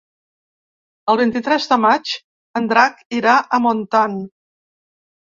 El vint-i-tres de maig en Drac irà a Montant.